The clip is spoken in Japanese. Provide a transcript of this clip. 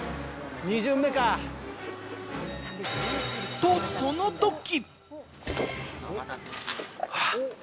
と、そのとき！